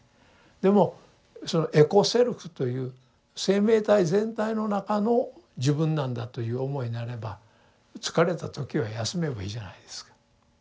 でもそのエコ・セルフという生命体全体の中の自分なんだという思いになれば疲れた時は休めばいいじゃないですか。